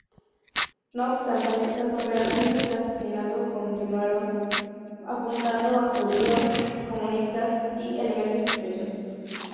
No obstante, las operaciones de asesinato continuaron, apuntando a judíos, comunistas y "elementos sospechosos".